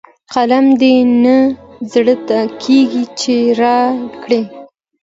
قلم دې نه زړه کېږي چې رايې کړئ.